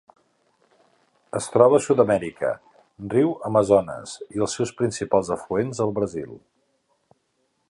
Es troba a Sud-amèrica: riu Amazones i els seus principals afluents al Brasil.